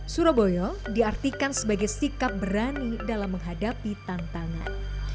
suro boyo diartikan sebagai sikap berani dalam menghadapi tantangan